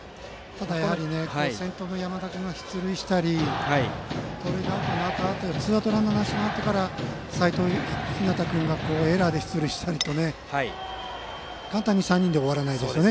ただ、先頭の山田君が出塁したり盗塁でアウトになってツーアウトランナーなしから齋藤陽君がエラーで出塁したりと簡単に３人で終わりませんね